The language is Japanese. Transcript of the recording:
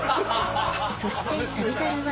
そして『旅猿』は